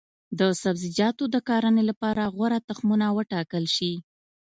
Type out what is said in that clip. د سبزیجاتو د کرنې لپاره غوره تخمونه وټاکل شي.